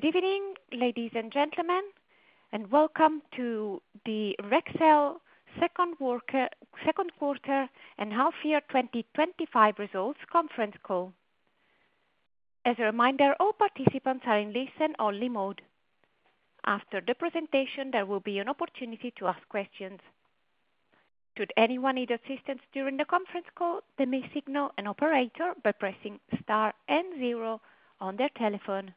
Good evening ladies and gentlemen and welcome to the Rexel second quarter and half year 2025 results conference call. As a reminder, all participants are in listen-only mode. After the presentation, there will be an opportunity to ask questions. Should anyone need assistance during the conference call, they may signal an operator by pressing star and zero on their telephone.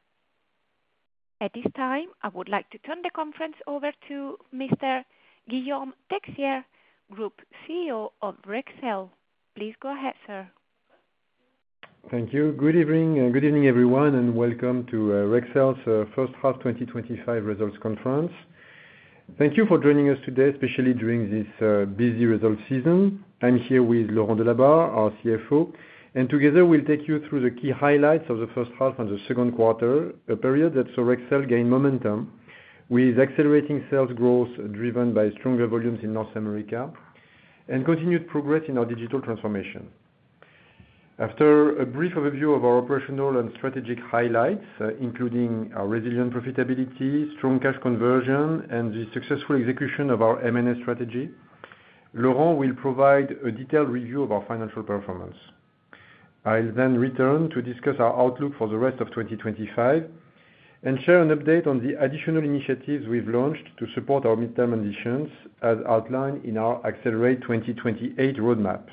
At this time, I would like to turn the conference over to Mr. Guillaume Texier, Group CEO of Rexel. Please go ahead, sir. Thank you. Good evening everyone and welcome to Rexel's first half 2025 results conference. Thank you for joining us today, especially during this busy results season. I'm here with Laurent Delabarre, our CFO, and together we'll take you through the key highlights of the first half and the second quarter, a period that saw Rexel gain momentum with accelerating sales growth driven by stronger volumes in North America and continued progress in our digital transformation. After a brief overview of our operational and strategic highlights, including our resilient profitability, strong cash conversion, and the successful execution of our M&A strategy, Laurent will provide a detailed review of our financial performance. I'll then return to discuss our outlook for the rest of 2025 and share an update on the additional initiatives we've launched to support our midterm ambitions as outlined in our Axelerate 2028 roadmap,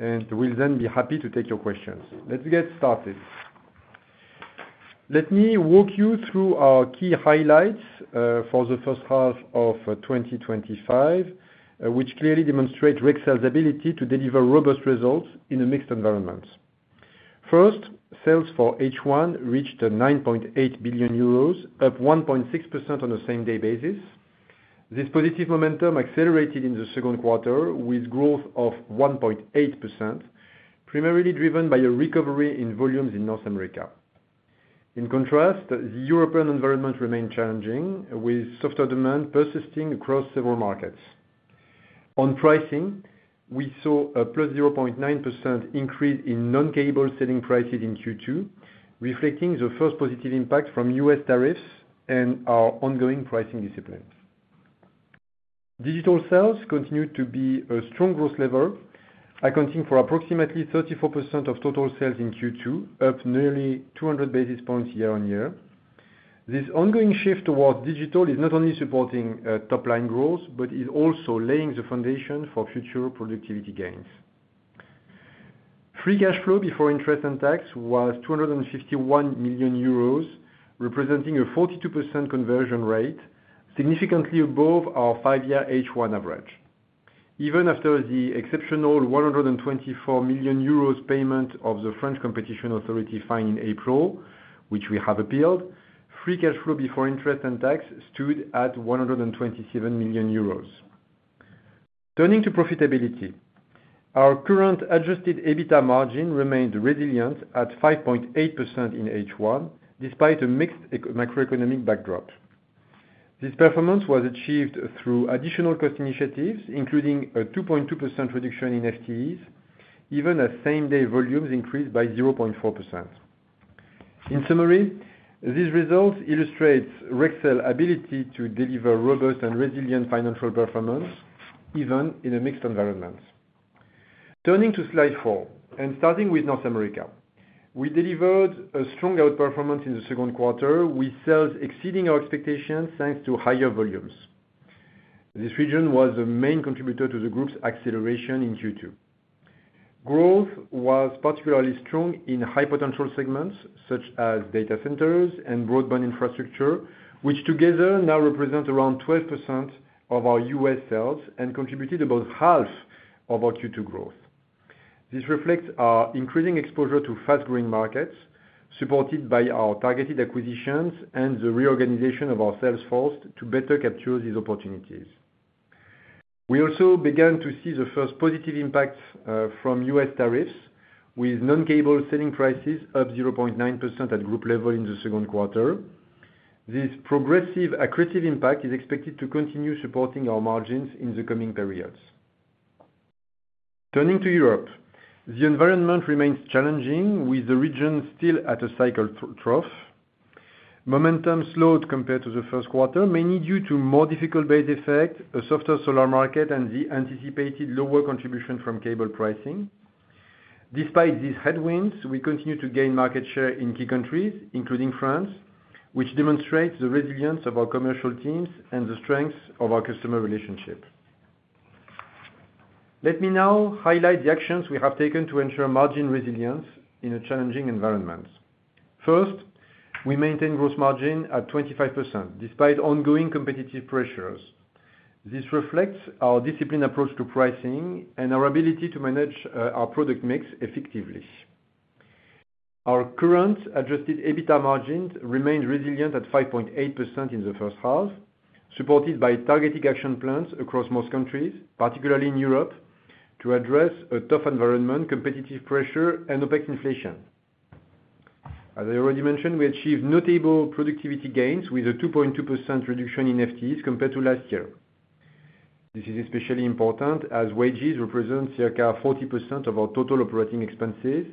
and we'll then be happy to take your questions. Let's get started. Let me walk you through our key highlights for the first half of 2025, which clearly demonstrate Rexel's ability to deliver robust results in a mixed environment. First, sales for H1 reached 9.8 billion euros, up 1.6% on a same-day basis. This positive momentum accelerated in the second quarter with growth of 1.8%, primarily driven by a recovery in volumes in North America. In contrast, the European environment remained challenging with softer demand persisting across several markets. On pricing, we saw a +0.9% increase in non-cable selling prices in Q2, reflecting the first positive impact from U.S. tariffs and our ongoing pricing discipline. Digital sales continued to be a strong growth lever, accounting for approximately 34% of total sales in Q2, up nearly 200 basis points year on year. This ongoing shift towards digital is not. Only supporting top line growth, but is also laying the foundation for future productivity gains. Free cash flow before interest and tax was 251 million euros, representing a 42% conversion rate, significantly above our 5-year H1 average. Even after the exceptional 124 million euros payment of the French Competition Authority fine in April, which we have appealed, free cash flow before interest and tax stood at 127 million euros. Turning to profitability, our current adjusted EBITDA margin remained resilient at 5.8% in H1 despite a mixed macro-economic backdrop. This performance was achieved through additional cost initiatives, including a 2.2% reduction in FTEs even as same-day volumes increased by 0.4%. In summary, these results illustrate Rexel's ability to deliver robust and resilient financial performance even in a mixed environment. Turning to slide four and starting with North America, we delivered a strong outperformance in the second quarter with sales exceeding our expectations thanks to higher volumes. This region was the main contributor to the group's acceleration in Q2. Growth was particularly strong in high potential segments such as data centers and broadband infrastructure, which together now represent around 12% of our U.S. sales and contributed about half of our Q2 growth. This reflects our increasing exposure to fast-growing markets supported by our targeted acquisitions and the reorganization of our sales force. To better capture these opportunities, we also. Began to see the first positive impact. From U.S. tariffs with non-cable selling prices up 0.9% at group level in the second quarter. This progressive accretive impact is expected to continue supporting our margins in the coming periods. Turning to Europe, the environment remains challenging with the region still at a cycle trough. Momentum slowed compared to the first quarter, mainly due to more difficult base effect, a softer solar market, and the anticipated lower contribution from cable pricing. Despite these headwinds, we continue to gain market share in key countries including France, which demonstrates the resilience of our commercial teams and the strength of our customer relationship. Let me now highlight the actions we. Have taken to ensure margin resilience in a challenging environment. First, we maintain gross margin at 25% despite ongoing competitive pressures. This reflects our disciplined approach to pricing and our ability to manage our product mix effectively. Our current adjusted EBITDA margin remained resilient at 5.8% in the first half, supported by targeted action plans across most countries, particularly in Europe, to address a tough environment, competitive pressure, and OpEx inflation. As I already mentioned, we achieved notable productivity gains with a 2.2% reduction in FTEs compared to last year. This is especially important as wages represent approximately 40% of our total operating expenses,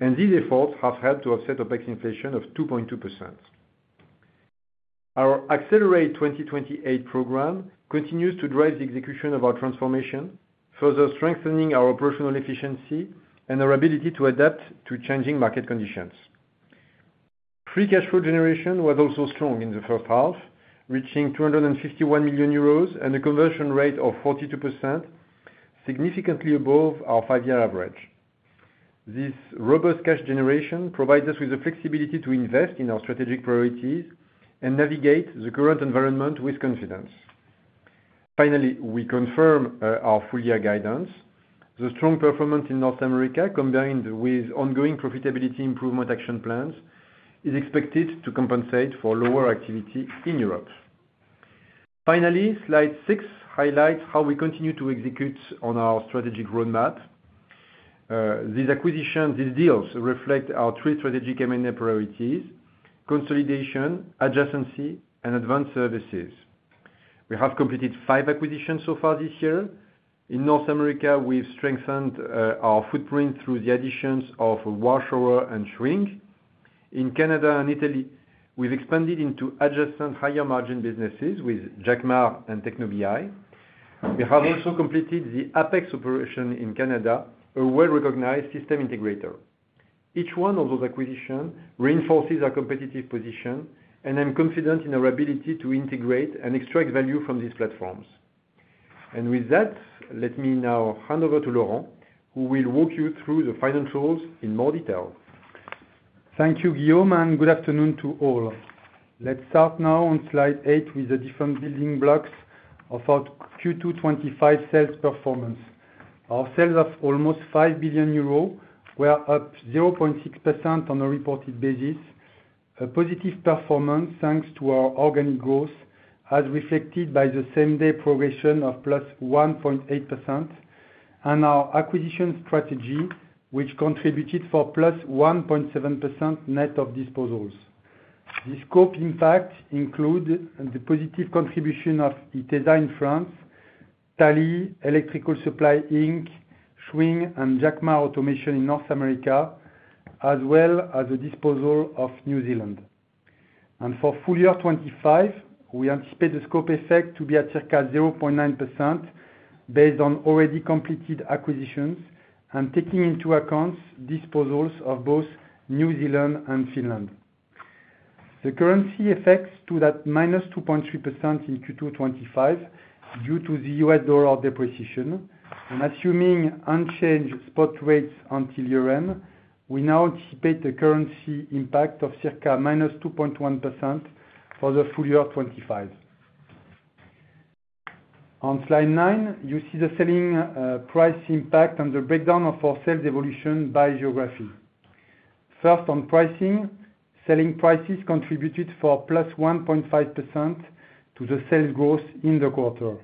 and these efforts have helped to offset OpEx inflation of 2.2%. Our Axelerate 2028 program continues to drive the execution of our transformation, further strengthening our operational efficiency and our ability to adapt to changing market conditions. Free cash flow generation was also strong in the first half, reaching 251 million euros and a conversion rate of 42%, significantly above our five-year average. This robust cash generation provides us with the flexibility to invest in our strategic priorities and navigate the current environment with confidence. Finally, we confirm our full-year guidance. The strong performance in North America combined with ongoing profitability improvement action plans is expected to compensate for lower activity in Europe. Finally, slide six highlights how we continue. To execute on our strategic roadmap. These acquisitions, these deals, reflect our three strategic M&A priorities: consolidation, adjacency, and advanced services. We have completed five acquisitions so far this year. In North America, we've strengthened our footprint through the additions of Warshauer and Schwing. In Canada and Italy, we've expanded into adjacent higher margin businesses with Jomar and Technobij. We have also completed the Apex operation in Canada, a well-recognized system integrator. Each one of those acquisitions reinforces our competitive position, and I'm confident in our ability to integrate and extract value from these platforms. With that, let me now hand over to Laurent, who will walk you through the financials in more detail. Thank you Guillaume and good afternoon to all. Let's start now on slide 8 with the different building blocks of our Q2 2025 sales performance. Our sales of almost 5 billion euro were up 0.6% on a reported basis, a positive performance thanks to our organic growth as reflected by the same-day progression of +1.8% and our acquisition strategy which contributed for +1.7% net of disposals. This scope impact includes the positive contribution of ITESA in France, Talley Electrical Supply Inc., Schwing, and Jacmar Automation in North America as well as the disposal of New Zealand. For full year 2025 we anticipate the scope effect to be at 0.9% based on already completed acquisitions and taking into account disposals of both New Zealand and Finland. The currency effects stood at -2.3% in Q2 2025 due to the U.S. dollar depreciation and assuming unchanged spot rates until year end. We now anticipate the currency impact of circa -2.1% for the full year 2025. On slide 9 you see the selling price impact and the breakdown of our sales evolution by geography. First on pricing. Selling prices contributed for +1.5% to the sales growth in the quarter.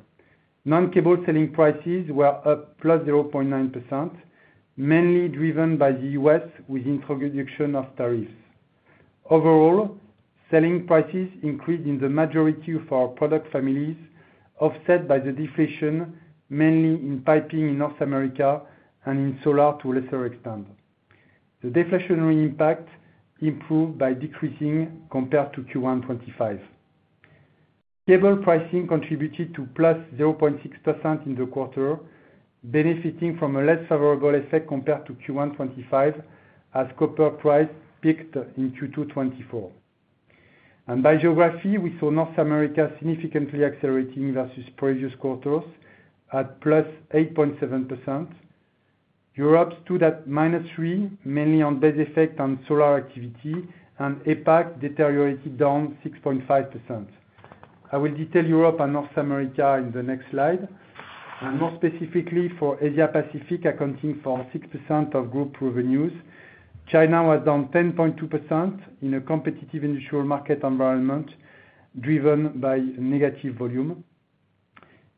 Non-cable selling prices were up 0.9% mainly driven by the U.S. with introduction of tariffs. Overall, selling prices increased in the majority of our product families, offset by the deflation mainly in piping in North America and in solar to a lesser extent. The deflationary impact improved by decreasing compared to Q1 2025. Cable pricing contributed to +0.6% in the quarter, benefiting from a less favorable effect compared to Q1 2025 as copper price peaked in Q2 2024. By geography, we saw North America significantly accelerating versus previous quarters at +8.7%. Europe stood at -3% mainly on base effect on solar activity and EPAC deteriorated down 6.5%. I will detail Europe and North America in the next slide and more specifically for Asia Pacific accounting for 6% of group revenues. China was down 10.2% in a competitive industrial market environment driven by negative volume.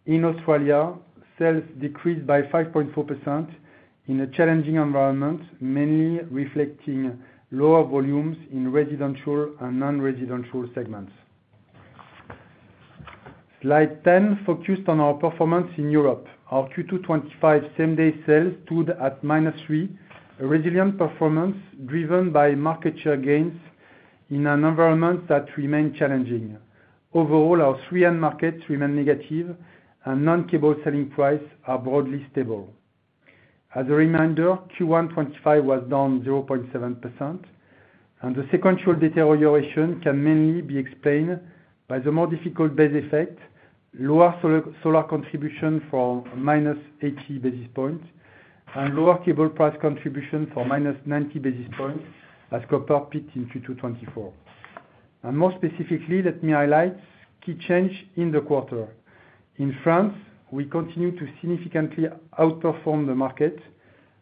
In Australia, sales decreased by 5.4% in a challenging environment mainly reflecting lower volumes in residential and non-residential segments. Slide 10 focused on our performance in Europe. Our Q2 2025 same-day sales stood at -3%, a resilient performance driven by market share gains in an environment that remained challenging. Overall, our three end markets remain negative and non-cable selling price are broadly stable. As a reminder, Q1 2025 was down 0.7% and the sequential deterioration can mainly be explained by the more difficult base effect, lower solar contribution for -80 basis points, and lower cable price contribution for -90 basis points as copper peaked in Q2 2024. More specifically, let me highlight key change in the quarter. In France, we continue to significantly outperform the market.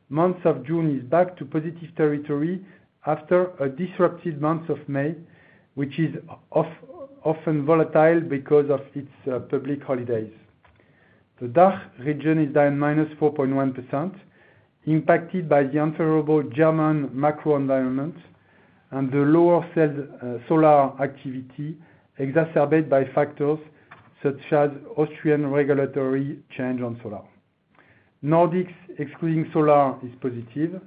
Month of June is back to positive territory after a disruptive month of May, which is often volatile because of its public holidays. The DACH region is down -4.1%, impacted by the unfavorable German macro-economic environment and the lower solar activity, exacerbated by factors such as Austrian regulatory change on solar. Nordics excluding solar is positive.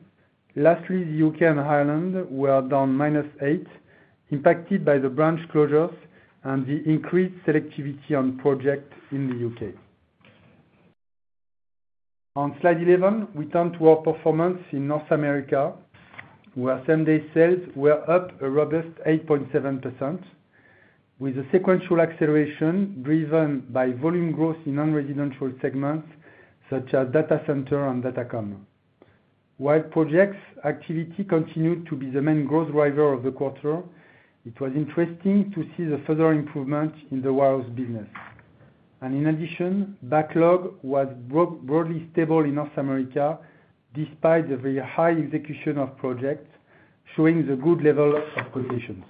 Lastly, the U.K. and Ireland were down -8%, impacted by the branch closures and the increased selectivity on project in the U.K. On slide 11, we turn to our performance in North America, where same-day sales were up a robust 8.7% with a sequential acceleration driven by volume growth in non-residential segments such as data centers and datacom, while projects activity continued to be the main growth driver of the quarter. It was interesting to see the further improvement in the warehouse business, and in addition, backlog was broadly stable in North America despite the very high execution of projects, showing the good level of completions.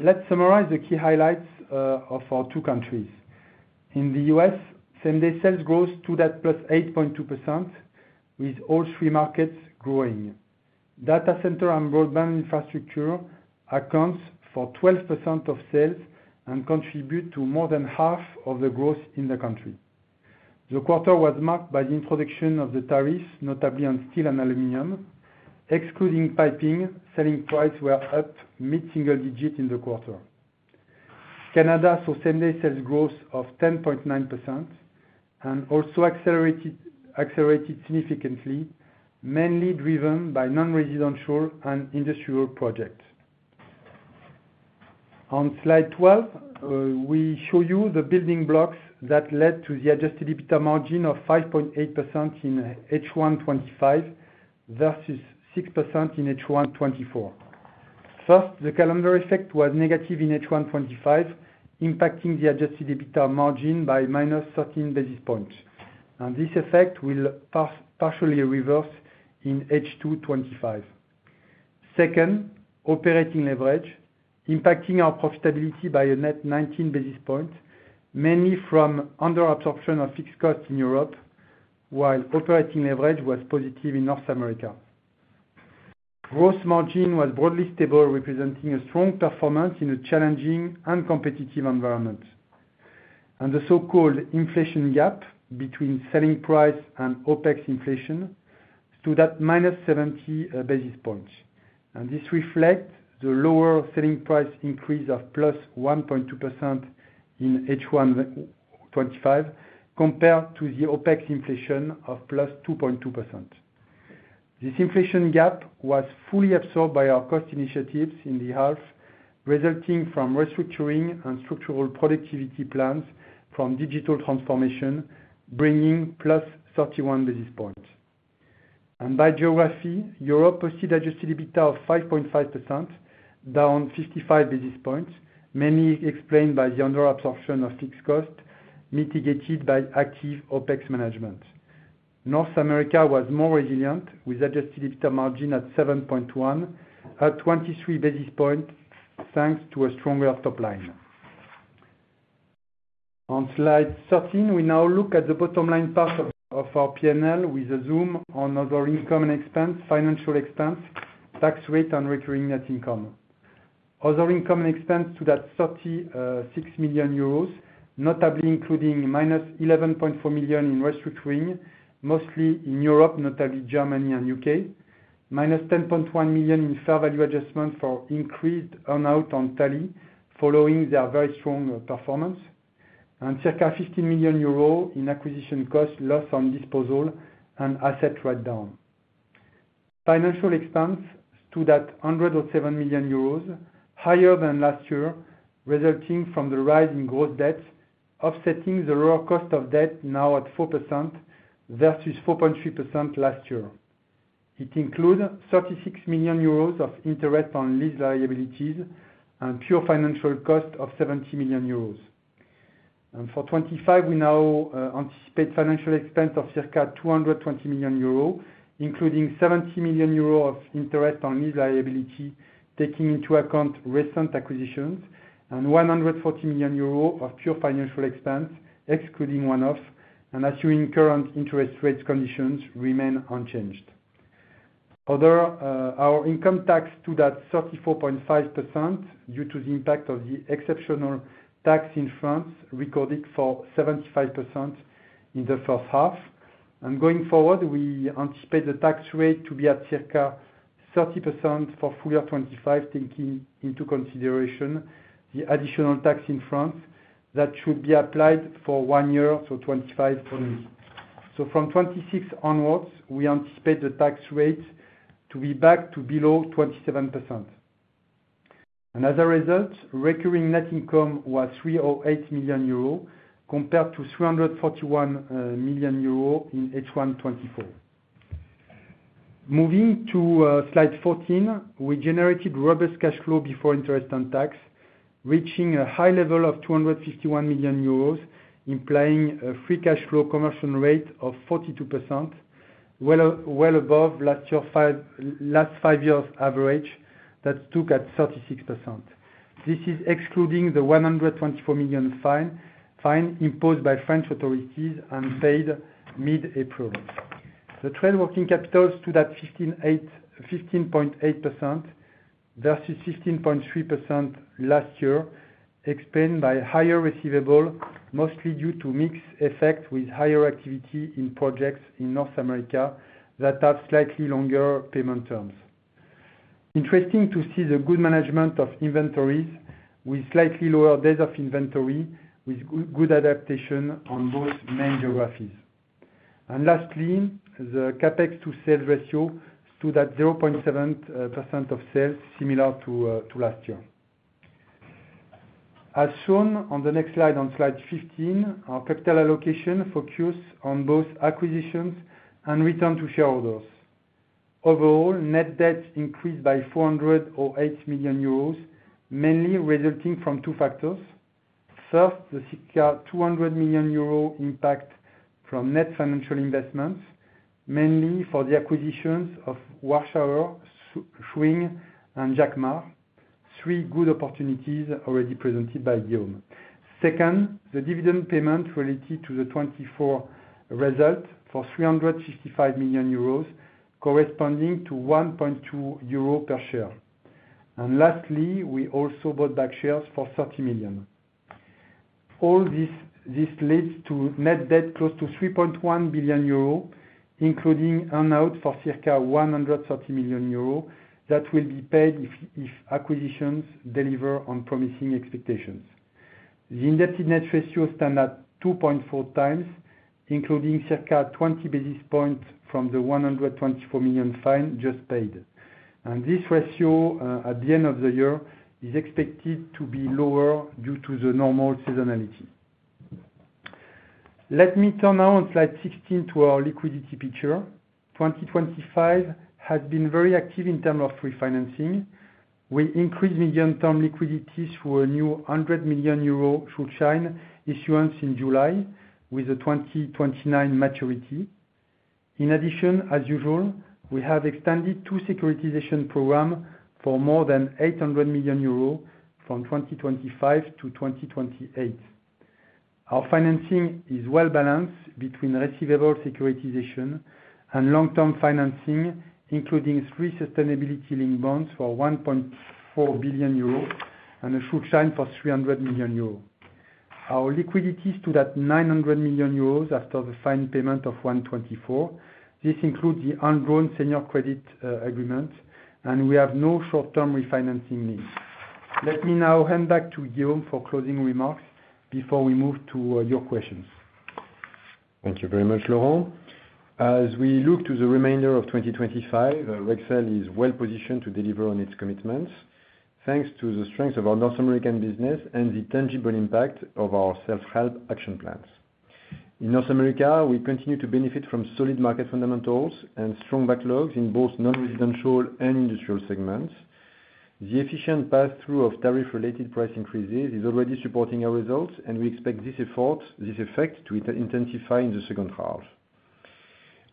Let's summarize the key highlights of our two countries. In the U.S., same-day sales growth stood at 8.2% with all three markets growing. Data center and broadband infrastructure accounts for 12% of sales and contribute to more than half of the growth in the country. The quarter was marked by the introduction of the tariffs, notably on steel and aluminum excluding piping. Selling prices were up mid-single digit in the quarter. Canada saw same-day sales growth of 10.9% and also accelerated significantly, mainly driven by non-residential and industrial projects. On slide 12, we show you the building blocks that led to the adjusted EBITDA margin of 5.8% in H1 2025 versus 6% in H1 2024. First, the calendar effect was negative in H1 2025, impacting the adjusted EBITDA margin by -13 basis points, and this effect will partially reverse in H2 2025. Second, operating leverage impacting our profitability by a net 19 basis points, mainly from under-absorption of fixed costs in Europe, while operating leverage was positive in North America. Gross margin was broadly stable, representing a strong performance in a challenging and competitive environment, and the so-called inflation gap between selling price and OpEx inflation stood at -70 basis points. This reflects the lower selling price increase of +1.2% in H1 2025 compared to the OpEx inflation of +2.2%. This inflation gap was fully absorbed by our cost initiatives in the half, resulting from restructuring and structural productivity plans from digital transformation, bringing +31 basis points, and by geography. Europe posted adjusted EBITDA of 5.5%, down 55 basis points, mainly explained by the under-absorption of fixed cost, mitigated by active OpEx management. North America was more resilient, with adjusted EBITDA margin at 7.1% and at 23 basis points, thanks to a stronger top line. On slide 13, we now look at the bottom line part of our P&L with a zoom on other income and expense, financial expense, tax rate, and recurring net income. Other income and expense totaled 36 million euros, notably including -11.4 million in restructuring, mostly in Europe, notably Germany and U.K., -10.1 million in fair value adjustment for increased earnout on Talley following their very strong performance, and circa 15 million euros in acquisition cost, loss on disposal, and asset write-down. Financial expense stood at 107 million euros, higher than last year, resulting from the rise in gross debt offsetting the lower cost of debt, now at 4% versus 4.3% last year. It includes 36 million euros of interest on lease liabilities and pure financial cost of 70 million euros for 2025. We now anticipate financial expense of circa 220 million euros, including 70 million euros of interest on lease liability, taking into account recent acquisitions, and 140 million euros of pure financial expense, excluding one-off and assuming current interest rate conditions remain unchanged. Our income tax stood at 34.5% due to the impact of the exceptional tax in France, recorded for 75% in the first half. Going forward, we anticipate the tax rate to be at 30% for full year 2025, taking into consideration the additional tax in France that should be applied for one year, so 2025 only. From 2026 onwards, we anticipate the tax rate to be back to below 27%, and as a result, recurring net income was 308 million euro compared to 341 million euro in H1 2024. Moving to slide 14, we generated robust cash flow before interest and tax, reaching a high level of 251 million euros, implying a free cash flow commercial rate of 42%, well above last five years' average that took at 36%. This is excluding the 124 million fine imposed by French authorities and paid mid-April. The trend working capital stood at 15.8% versus 15.3% last year, explained by higher receivable mostly due to mix effect with higher activity in projects in North America that have slightly longer payment terms. It is interesting to see the good management of inventories with slightly lower days of inventory with good adaptation on both main geographies. Lastly, the CapEx to sales ratio stood at 0.7% of sales, similar to. Last year. As shown on the next slide on Slide 15, our capital allocation focuses on both acquisitions and return to shareholders. Overall, net debt increased by 408 million euros, mainly resulting from two factors. First, the 200 million euro impact from net financial investments, mainly for the acquisitions of Warshauer, Schwing, and Jacmar, three good opportunities already presented by Guillaume. Second, the dividend payment related to the 2024 result for 355 million euros, corresponding to 1.2 euro per share, and lastly, we also bought back shares for 30 million. All this leads to net debt close to 3.1 billion euros, including earnout for circa 130 million euros that will be paid if acquisitions deliver on promising expectations. The indebted net ratio stands at 2.4x, including circa 20 basis points from the 124 million fine just paid, and this ratio at the end of the year is expected to be lower due to the normal seasonality. Let me turn now on Slide 16 to our liquidity picture. 2024 has been very active in terms of refinancing. We increased medium-term liquidity through a new 100 million euro Schuldschein issuance in July with a 2029 maturity. In addition, as usual, we have extended two securitization programs for more than 800 million euros from 2025 to 2028. Our financing is well balanced between receivable securitization and long-term financing, including three sustainability-linked bonds for 1.4 billion euro and a Schuldschein for 300 million euro. Our liquidity stood at 900 million euros after the fine payment of 124 million. This includes the undrawn senior credit agreement, and we have no short-term refinancing needs. Let me now hand back to Guillaume for closing remarks before we move to your questions. Thank you very much Laurent. As we look to the remainder of 2025, Rexel is well positioned to deliver on its commitments. Thanks to the strength of our North American business and the tangible impact of our self help action plans in North America, we continue to benefit from solid market fundamentals and strong backlogs in both non-residential and industrial segments. The efficient pass through of tariff related price increases is already supporting our results, and we expect this effect to intensify in the second half.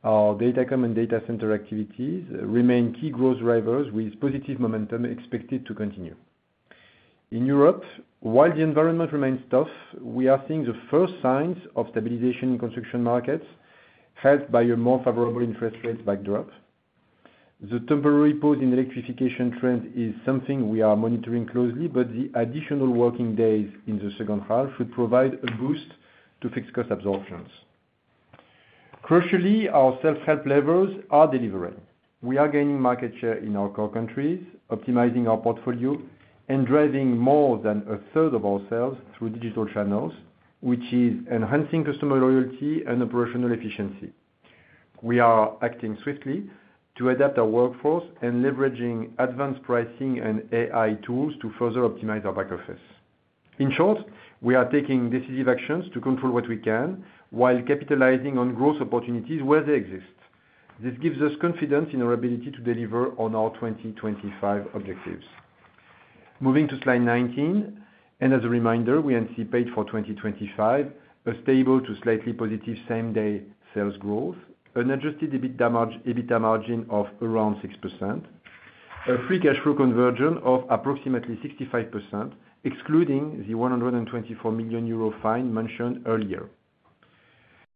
Our datacom and data center activities remain key growth drivers with positive momentum expected to continue in Europe while the environment remains tough. We are seeing the first signs of stabilization in construction markets, helped by a more favorable interest rate backdrop. The temporary pause in electrification trend is something we are monitoring closely, but the additional working days in the second half should provide a boost to fixed cost absorptions. Crucially, our self help levers are delivering. We are gaining market share in our core countries, optimizing our portfolio, and driving more than a third of our sales through digital channels, which is enhancing customer loyalty and operational efficiency. We are acting swiftly to adapt our workforce and leveraging advanced pricing and AI tools to further optimize our back office. In short, we are taking decisive actions to control what we can while capitalizing on growth opportunities where they exist. This gives us confidence in our ability to deliver on our 2025 objectives. Moving to Slide 19 and as a reminder, we anticipate for 2025 a stable to slightly positive same-day sales growth, an adjusted EBITDA margin of around 6%, a free cash flow conversion of approximately 65% excluding the 124 million euro fine mentioned earlier.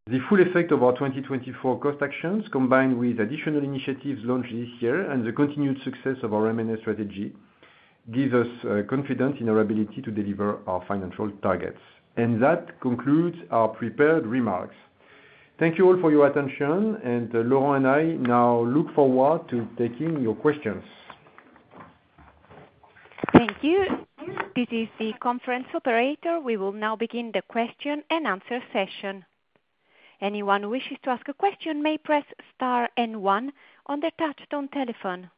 The full effect of our 2024 cost actions, combined with additional initiatives launched this year and the continued success of our M&A strategy, gives us confidence in our ability to deliver our financial targets. That concludes our prepared remarks. Thank you all for your attention, and Laurent and I now look forward to taking your questions. Thank you. This is the conference operator. We will now begin the question and answer session. Anyone who wishes to ask a question may press star N one on their touch-tone telephone.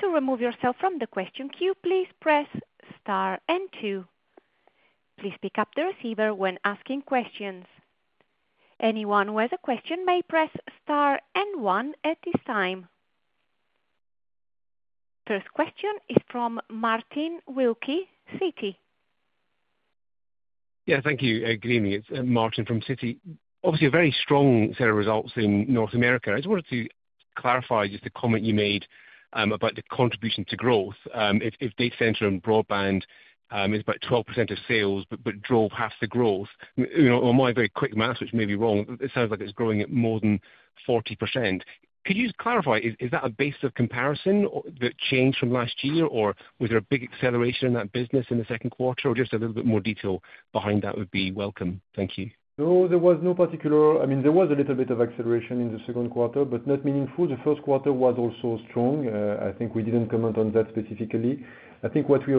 To remove yourself from the question queue, please press star N two. Please pick up the receiver when asking questions. Anyone who has a question may press star N one at this time. First question is from Martin Wilkie at Citi. Yes, thank you. Good evening, it's Martin from Citi. Obviously a very strong set of results in North America. I just wanted to clarify just the comment you made about the contribution to growth if data centers and broadband infrastructure is about 12% of sales but drove half the growth. On my very quick math, which may be wrong, it sounds like it's growing at more than 40%. Could you clarify, is that a base of comparison that changed from last year or was there a big acceleration in. That business in the second quarter. Just a little bit more detail behind that? That would be welcome. Thank you. No, there was no particular. I mean there was a little bit of acceleration in the second quarter, but not meaningful. The first quarter was also strong. I think we didn't comment on that specifically. I think what you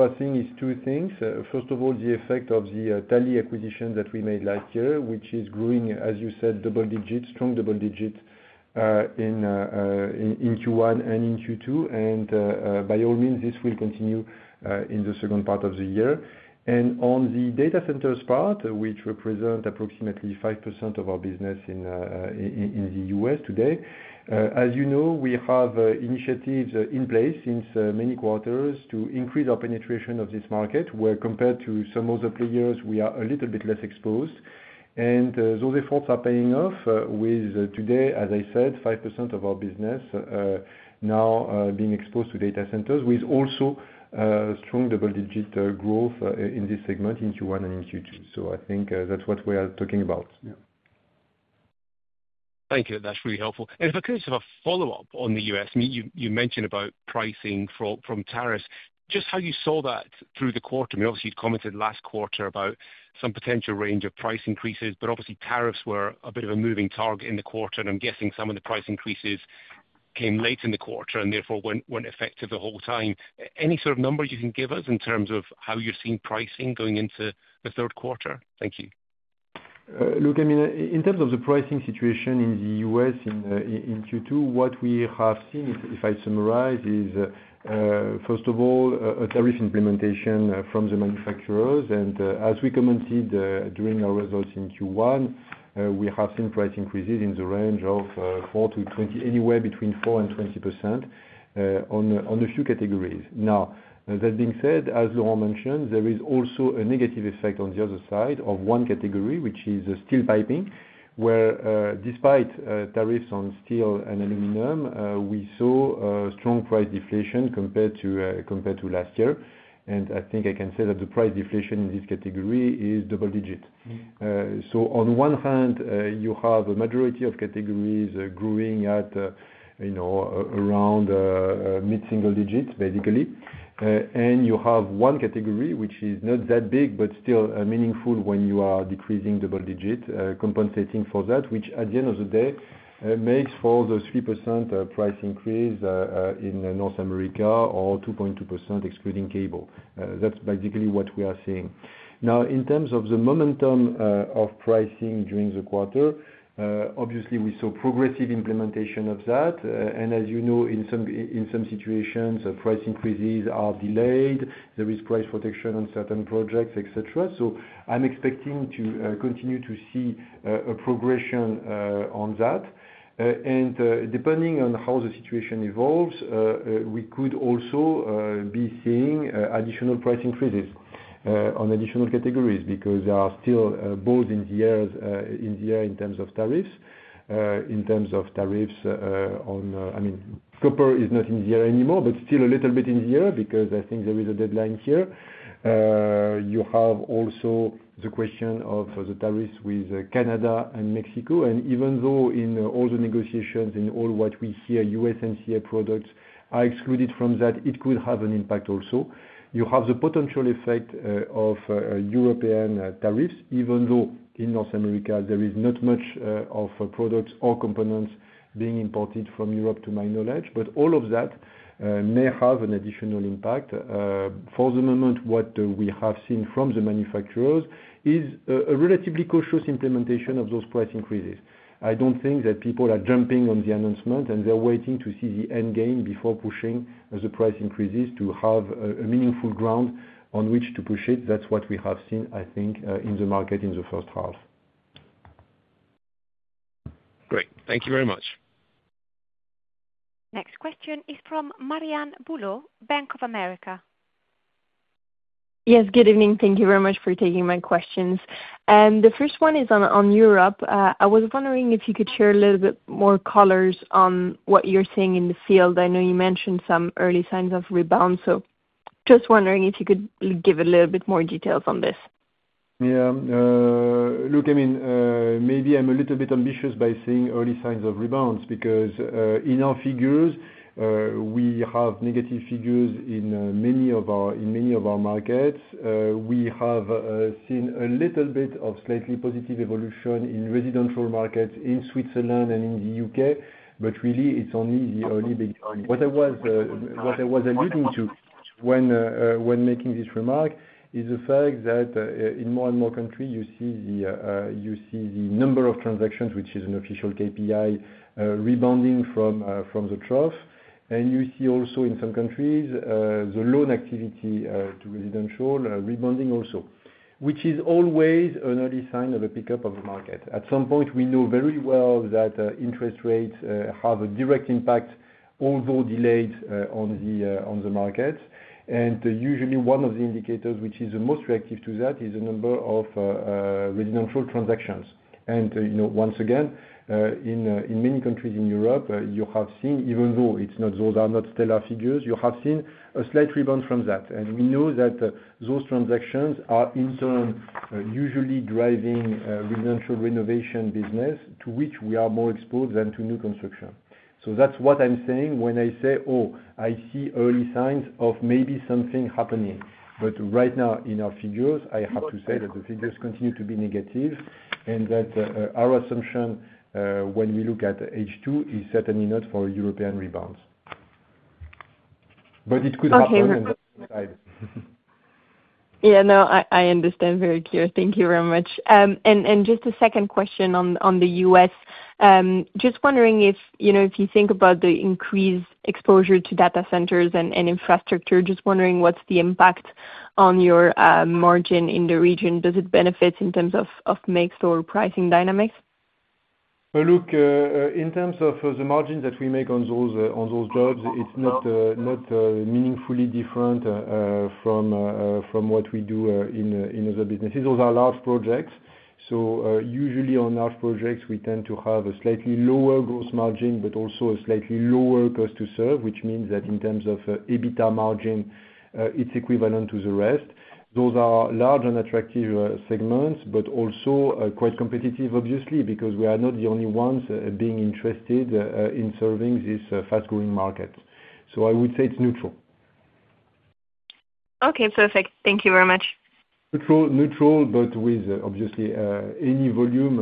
are seeing is two things. First of all, the effect of the Talley acquisition that we made last year, which is growing, as you said, double digit, strong double digit in Q1 and in Q2. By all means this will continue in the second part of the year and on the data centers part which represent approximately 5% of our business in the U.S. today. As you know, we have initiatives in place since many quarters to increase our penetration of this market where compared to some other players we are a little bit less exposed and those efforts are paying off with today, as I said, 5% of our business so now being exposed to data centers with also strong double digit growth in this segment in Q1 and in Q2. I think that's what we are talking about. Thank you, that's really helpful. If I could just have a follow-up on the U.S., you mentioned about pricing from tariffs, just how you saw that through the quarter. Obviously, you commented last quarter about some potential range of price increases, but obviously tariffs were a bit of a moving target in the quarter, and I'm guessing some of the price increases came late in the quarter and therefore weren't effective the whole time. Any sort of number you can give us in terms of how you're seeing pricing going into the third quarter. Thank you. Look, I mean in terms of the pricing situation in the U.S. in Q2, what we have seen if I summarize is first of all a tariff implementation from the manufacturers. As we commented during our results in Q1, we have seen price increases in the range of 4%-20%, anywhere between 4% and 20% on a few categories. That being said, as Laurent mentioned, there is also a negative effect on the other side of one category, which is steel piping, where despite tariffs on steel and aluminum we saw strong price deflation compared to last year. I think I can say that the price deflation in this category is double digit. On one hand you have a majority of categories growing at around mid single digits basically, and you have one category which is not that big but still meaningful when you are decreasing double digits compensating for that, which at the end of the day makes for the 3% price increase in North America or 2.2% excluding cable. That's basically what we are seeing now in terms of the momentum of pricing during the quarter. Obviously we saw progressive implementation of that, and as you know, in some situations price increases are delayed, there is price protection on certain projects, etc. I'm expecting to continue to see a progression on that. Depending on how the situation evolves, we could also be seeing additional price increases on additional categories because there are still balls in the air in terms of tariffs. In terms of tariffs on, I mean copper is not in the air anymore, but still a little bit in the air because I think there is a deadline here. You have also the question of the tariffs with Canada and Mexico, and even though in all the negotiations, in all what we have here, USMCA products are excluded from that, it could have an impact. Also you have the potential effect of European tariffs even though in North America there is not much of products or components being imported from Europe to my knowledge, but all of that may have an additional impact. For the moment, what we have seen from the manufacturers is a relatively cautious implementation of those price increases. I don't think that people are jumping on the announcement and they're waiting to see the endgame before pushing as the price increases to have a meaningful ground on which to push it. That's what we have seen, I think, in the market in the first half. Great, thank you very much. Next question is from Marianne Bulot, Bank of America. Yes, good evening. Thank you very much for taking my questions. The first one is on Europe. I was wondering if you could share a little bit more colors on what you're seeing in the field. I know you mentioned some early signs of rebounds, so just wondering if you could give a little bit more details on this. Yeah, look, I mean, maybe I'm a little bit ambitious by seeing early signs of rebounds because in our figures we have negative figures in many of our markets. We have seen a little bit of slightly, slightly positive evolution in residential markets in Switzerland and in the U.K., but really it's only the early beginnings. What I was alluding to when making this remark is the fact that in more and more countries you see the number of transactions, which is an official KPI, rebounding from the trough. You see also in some countries the loan activity to residential rebounding also, which is always an early sign of a pickup of the market at some point. We know very well that interest rates have a direct impact, although delayed, on the market. Usually one of the indicators which is the most reactive to that is the number of residential transactions. Once again, in many countries in Europe you have seen, even though those are not stellar figures, you have seen a slight rebound from that. We know that those transactions are in turn usually driving residential renovation business to which we are more exposed than to new construction. That's what I'm saying when I say, oh, I see early signs of maybe something happening. Right now in our figures, I have to say that the figures continue to be negative and that our assumption when we look at H2 is certainly not for a European rebound. It could happen. Yeah, no, I understand. Very clear. Thank you very much. Just a second question. On the U.S., just wondering if you think about the increased exposure to data centers and infrastructure, just wondering, what's the impact on your margin in the region? Does it benefit in terms of mix or pricing dynamics? Look, in terms of the margins that we make on those jobs, it's not meaningfully different from what we do in other businesses. Those are large projects. Usually on large projects we tend to have a slightly lower gross margin but also a slightly lower cost to serve, which means that in terms of EBITDA margin, it's equivalent to the rest. Those are large and attractive segments, also quite competitive obviously because we are not the only ones being interested in serving this fast growing market. I would say it's neutral. Okay, perfect. Thank you very much. Neutral, but with obviously any volume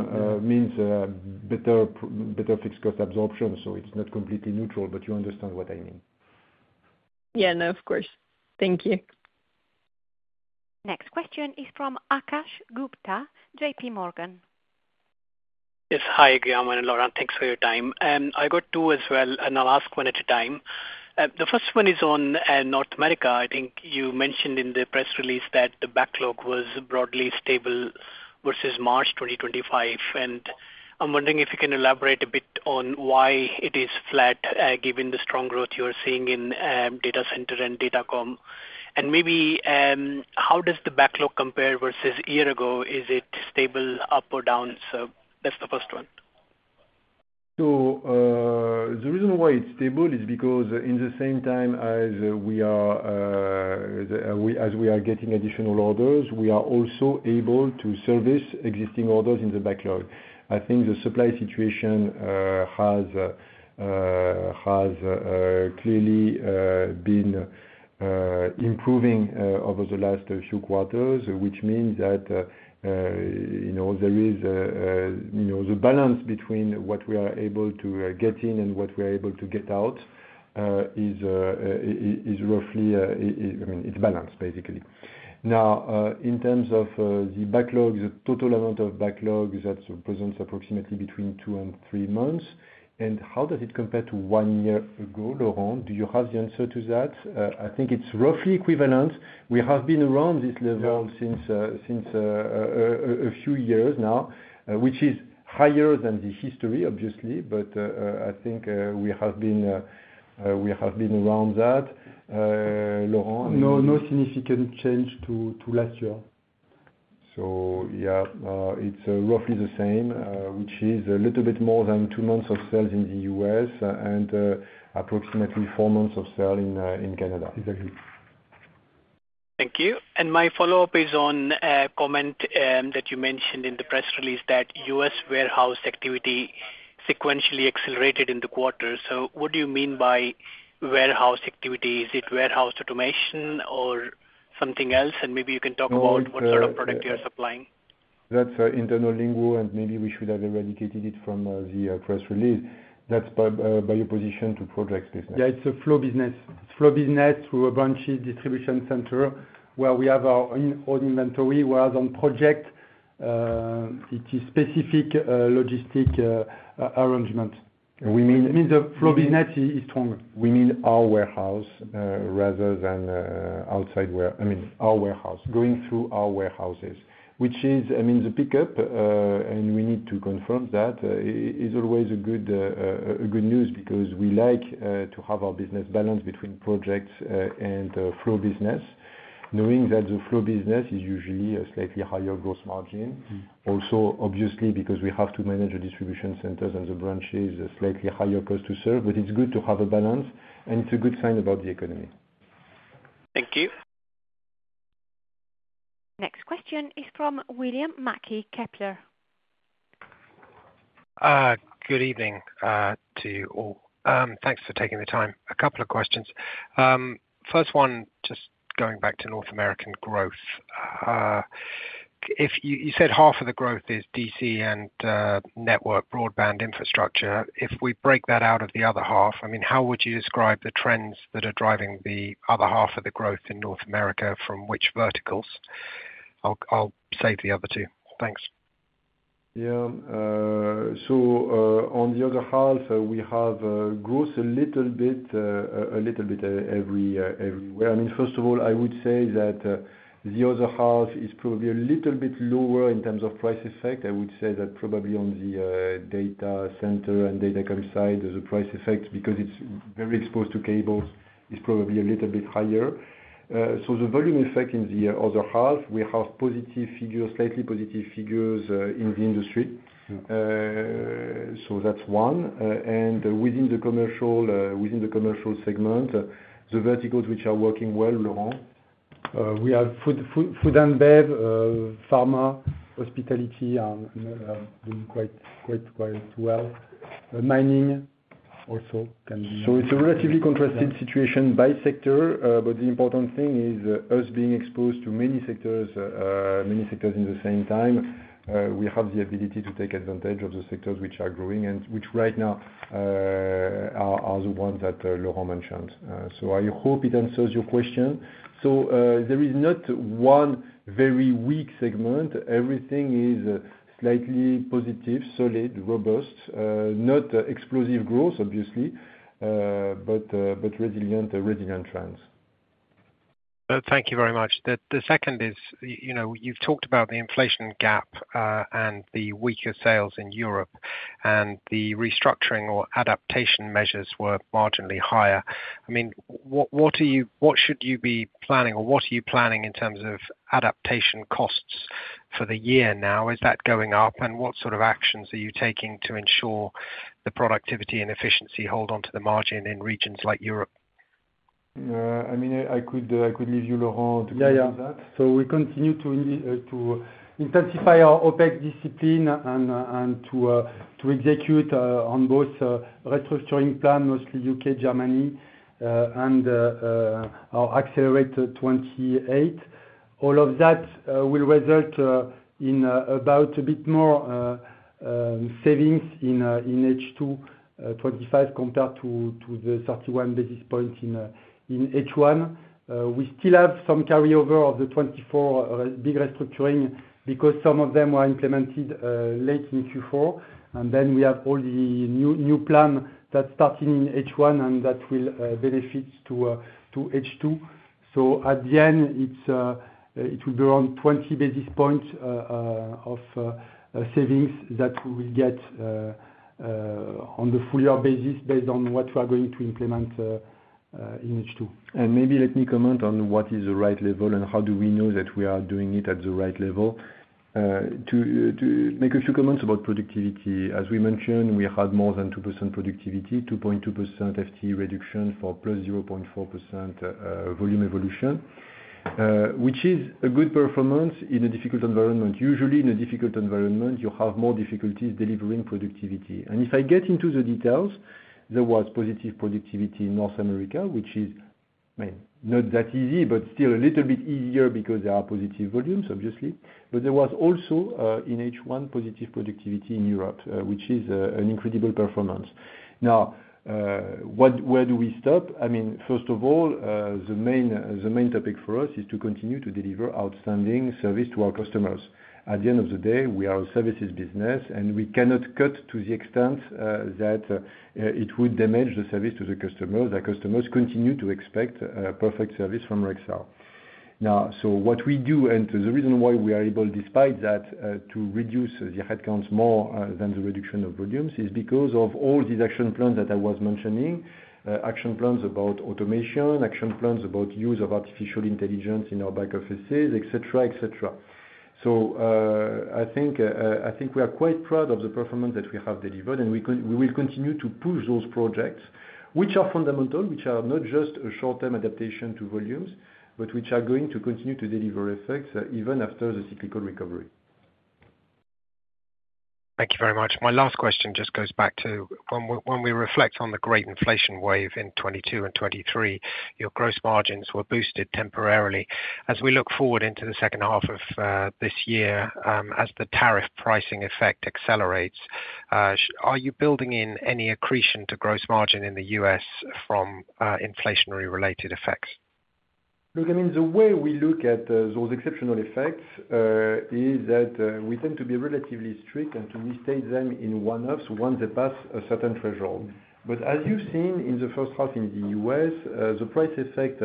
means better fixed cost absorption. It's not completely neutral, but you understand what I mean? Yeah, no, of course. Thank you. Next question is from Akash Gupta, JPMorgan. Yes, hi. Guillaume and Laurent, thanks for your time. I got two as well and I'll ask one at a time. The first one is on North America. I think you mentioned in the press release that the backlog was broadly stable versus March 2023. I'm wondering if you can elaborate a bit on why it is flat given the strong growth you are seeing in datacenter and datacom. Maybe how does the backlog compare versus a year ago? Is it stable, up, or down? That's the first one. The reason why it's stable is because in the same time as we are getting additional orders, we are also able to service existing orders in the backlog. I think the supply situation has clearly been improving over the last few quarters, which means that there is a balance between what we are able to get in and what we are able to get out. It is roughly balanced basically. Now in terms of the backlog, the total amount of backlog represents approximately between two and three months. How does it compare to one year ago? Laurent, do you have the answer to that? I think it's roughly equivalent. We have been around this level since a few years now, which is higher than the history obviously, but I think we have been around that. Laurent. No significant change to last year. Yeah, it's roughly the same, which is a little bit more than two months of sales in the U.S. and approximately four months of selling in Canada. Thank you. My follow up is on a comment that you mentioned in the press release that U.S. warehouse activity sequentially accelerated in the quarter. What do you mean by warehouse activities? Is it warehouse automation or something else? Maybe you can talk about what sort of product you're supplying. That's internal lingo, and maybe we should have eradicated it from the press release. That's by your position to projects business. Yeah, it's a flow business. Flow business through a branches distribution center where we have our inventory, whereas on project it is specific logistic arrangement. We mean the flow business is stronger. We mean our warehouse rather than outside. I mean our warehouse going through our warehouses, which is, I mean, the pickup. We need to confirm that is always good news because we like to have our business balance between projects and flow business, knowing that the flow business is usually a slightly higher gross margin. Also, obviously, because we have to manage the distribution centers and the branches, a slightly higher cost to serve. It's good to have a balance, and it's a good sign about the economy. Thank you. Next question is from William Mackie, Kepler. Good evening to you all. Thanks for taking the time. A couple of questions. First one, just going back to North American growth. You said half of the growth is DC and network broadband infrastructure. If we break that out of the other half, how would you describe the trends that are driving the other half of the growth in North America? From which verticals? I'll save the other two, thanks. Yeah, on the other half we have growth a little bit, a little bit everywhere. First of all, I would say that the other half is probably a little bit lower in terms of price effect. I would say that probably on the datacenter and datacom side there's a price effect because it's very exposed to cables, it's probably a little bit higher. The volume effect in the other half, we have positive figures, slightly positive figures in the industry. That's one. Within the commercial segment, the verticals which are working well, we have food. Pharma, hospitality quite well, mining also. It's a relatively contrasted situation by sector. The important thing is us being exposed to many sectors, many sectors at the same time. We have the ability to take advantage of the sectors which are growing and which right now are the ones that Laurent mentioned. I hope it answers your question. There is not one very weak segment. Everything is slightly positive, solid, robust. Not explosive growth obviously, but resilient trends. Thank you very much. The second is you've talked about the inflation gap and the weaker sales in Europe, and the restructuring or adaptation measures were marginally higher. I mean, what should you be planning or what are you planning in terms of adaptation costs for the year now? Is that going up, and what sort of actions are you taking to ensure the productivity and efficiency hold onto the margin in regions like Europe? I mean, I could leave you, Laurent. We continue to intensify our OpEx discipline and to execute on both restructuring plan, mostly U.K., Germany, and our Axelerate 2028. All of that will result in about a bit more savings in H2 2025 compared to the 31 basis points in H1. We still have some carryover of the 2024 big restructuring because some of them were implemented late in Q4. We have all the new plan that's starting in H1 and that will benefit to H2. At the end it will be around 20 basis points of savings that we will get on the full year basis based on what we are going to implement in H2. Maybe let me comment on what is the right level and how do we know that we are doing it at the right level to make a few comments about productivity. As we mentioned, we had more than 2% productivity, 2.2% FTE reduction for +0.4% volume evolution, which is a good performance in a difficult environment. Usually in a difficult environment you have more difficulties delivering productivity. If I get into the details, there was positive productivity in North America, which is not that easy but still a little bit easier because there are positive volumes obviously. There was also in H1 positive productivity in Europe, which is an incredible performance. Now where do we stop? First of all, the main topic for us is to continue to deliver outstanding service to our customers. At the end of the day, we are a services business and we cannot cut to the extent that it would damage the service to the customers. Our customers continue to expect perfect service from Rexel now. What we do and the reason why we are able, despite that, to reduce the headcounts more than the reduction of volumes is because of all these action plans that I was mentioning, action plans about automation, action plans about use of artificial intelligence in our back offices, etc. etc. I think we are quite proud of the performance that we have delivered and we will continue to push those projects which are fundamental, which are not just a short term adaptation to volumes, but which are going to continue to deliver effects even after the cyclical recovery. Thank you very much. My last question just goes back to when we reflect on the great inflation wave in 2022 and 2023, your gross margins were boosted temporarily. As we look forward into the second half of this year as the tariff pricing effect accelerates, are you building in any accretion to gross margin in the U.S. from inflationary related effects? Look, I mean the way we look at those exceptional effects is that we tend to be relatively strict and to restate them in one-offs once they pass a certain threshold. As you've seen in the first half in the U.S., the price effect,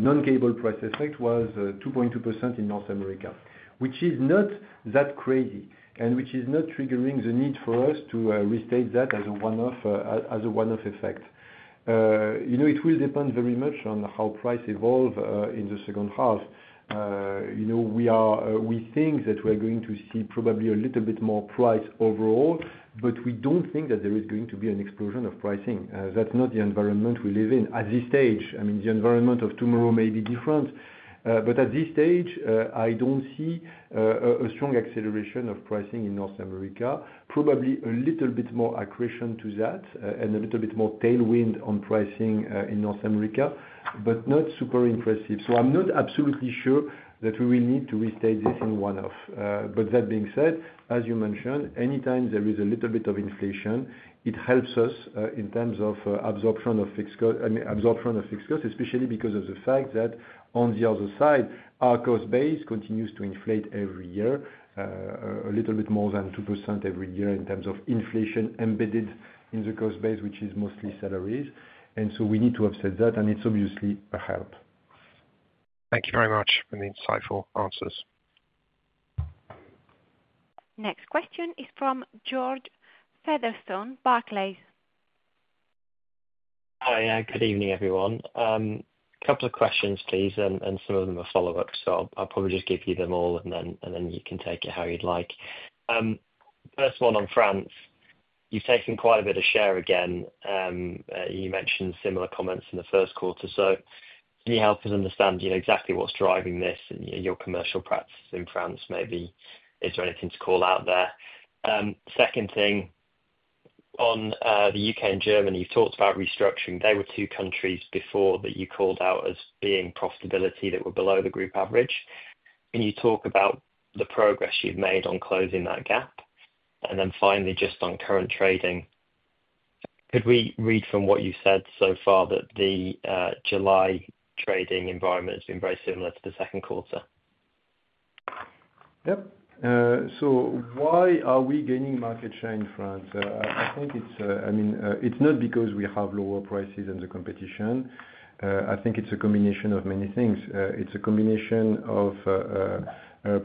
non-cable price effect was 2.2% in North America, which is not that crazy and which is not triggering the need for us to restate that as a one-off, as a one-off effect. It will depend very much on how price evolves in the second half. We think that we're going to see probably a little bit more price overall, but we don't think that there is going to be an explosion of pricing. That's not the environment we live in at this stage. The environment of tomorrow may be different, but at this stage I don't see a strong acceleration of pricing in North America. Probably a little bit more accretion to that and a little bit more tailwind on pricing in North America, but not super impressive. I'm not absolutely sure that we will need to restate this in one-off. That being said, as you mentioned, anytime there is a little bit of inflation, it helps us in terms of absorption of fixed cost. Absorption of fixed costs, especially because of the fact that on the other side, our cost base continues to inflate every year, a little bit more than 2% every year in terms of inflation embedded in the cost base, which is mostly salaries. We need to offset that and it's obviously a help. Thank you very much for the insightful answers. Next question is from George Featherstone, Barclays. Hi, good evening everyone. A couple of questions please and some of them are follow up. I'll probably just give you them all and then you can take it how you'd. First one, on France, you've taken quite a bit of share. Again, you mentioned similar comments in the first quarter. Can you help us understand exactly what's driving this, your commercial practice in France maybe. Is there anything to call out there? Second thing, on the U.K. and Germany, you talked about restructuring. They were two countries before that you called out as being profitability that were below the group average. Can you talk about the progress you've made on closing that gap? Finally, just on current trading, could we read from what you said so far that the July trading environment has been very similar to the second quarter? Yep. Why are we gaining market share in France? I think it's, I mean, it's not because we have lower prices than the competition. I think it's a combination of many things. It's a combination of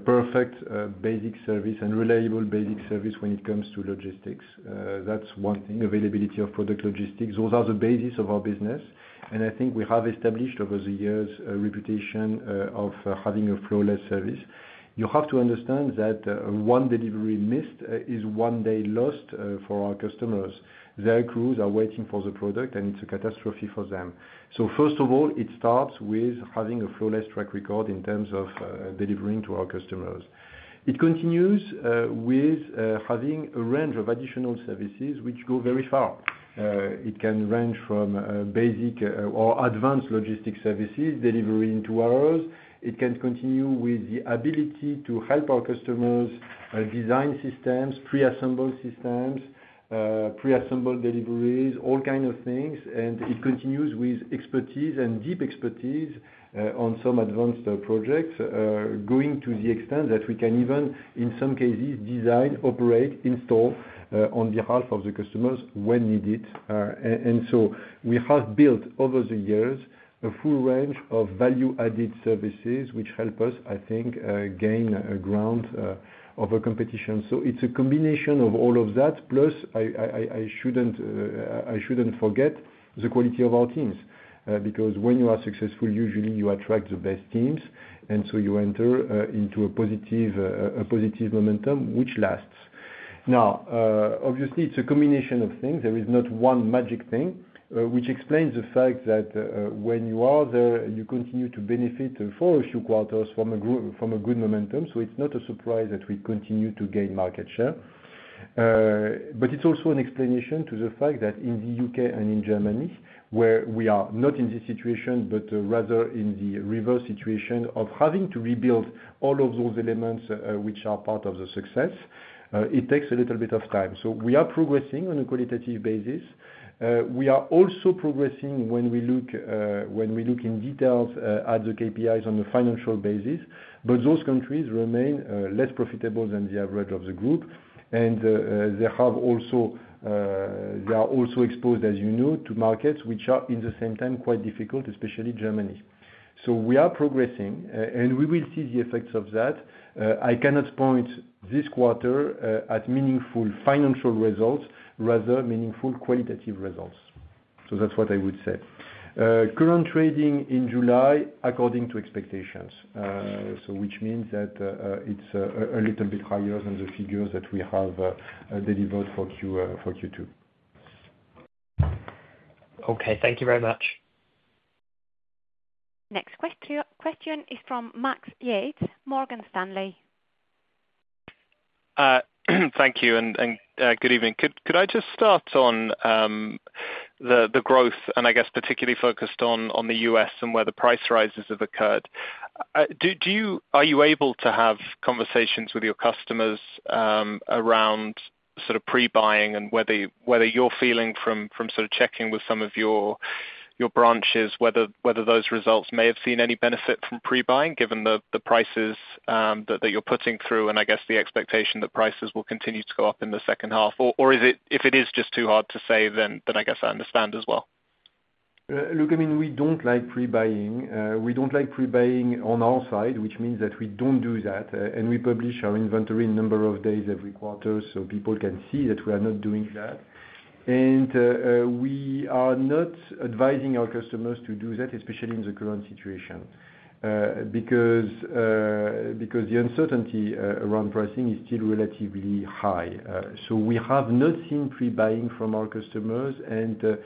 perfect basic service and reliable basic service. When it comes to logistics, that's one thing. Availability of product, logistics, those are the basis of our business. I think we have established over the years a reputation of having a flawless service. You have to understand that one delivery missed is one day lost for our customers. Their crews are waiting for the product and it's a catastrophe for them. First of all, it starts with having a flawless track record in terms of delivering to our customers. It continues with having a range of additional services which go very far. It can range from basic or advanced logistics services, delivery in two hours. It can continue with the ability to help our customers design systems, preassemble systems, preassemble deliveries, all kinds of things. It continues with expertise and deep expertise on some advanced projects going to the extent that we can even in some cases design, operate, install on behalf of the customers when needed. We have built over the years a full range of value-added services which help us, I think, gain ground over the competition. It's a combination of all of that, plus I shouldn't forget the quality of our teams because when you are successful, usually you attract the best teams and you enter into a positive momentum which lasts. Obviously it's a combination of things. There is not one magic thing which explains the fact that when you are there, you continue to benefit for a few quarters from a good momentum. It's not a surprise that we continue to gain market share. It's also an explanation to the fact that in the U.K. and in Germany, where we are not in this situation but rather in the reverse situation of having to rebuild all of those elements which are part of the success, it takes a little bit of time. We are progressing on a qualitative basis. We are also progressing when we look in detail at the KPIs on a financial basis. Those countries remain less profitable than the average of the group. They are also exposed, as you know, to markets which are at the same time quite difficult, especially Germany. We are progressing and we will see the effects of that. I cannot point this quarter at meaningful financial results, rather meaningful qualitative results. That's what I would say. Current trading in July according to expectations, which means that it's a little bit higher than the figures that we have delivered for Q2. Okay, thank you very much. Next question is from Max Yates, Morgan Stanley. Thank you and good evening. Could I just start on the growth and I guess particularly focused on the U.S. and where the price rises have occurred? Are you able to have conversations with your customers around sort of pre buying and whether you're feeling from sort of checking with some of your branches whether those results may have seen any benefit from pre buying given the prices that you're putting through and I guess the expectation that prices will continue to go up in the second half, or if it is just too hard to say, then I guess I understand as well. Look, I mean we don't like pre buying. We don't like pre buying on our side, which means that we don't do that, and we publish our inventory number of days every quarter so people can see that we are not doing that, and we are not advising our customers to do that, especially in the current situation because the uncertainty around pricing is still relatively high. We have not seen pre buying from our customers and